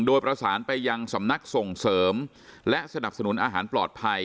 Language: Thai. โดยประสานไปยังสำนักส่งเสริมและสนับสนุนอาหารปลอดภัย